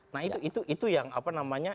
nah itu yang apa namanya